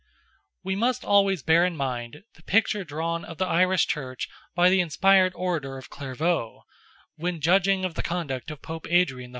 We must always bear in mind the picture drawn of the Irish Church by the inspired orator of Clairvaulx, when judging of the conduct of Pope Adrian IV.